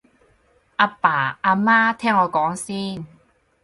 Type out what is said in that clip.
阿爸阿媽聽我講先